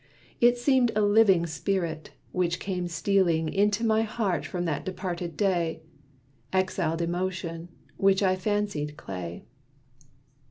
It seemed a living spirit, which came stealing Into my heart from that departed day; Exiled emotion, which I fancied clay.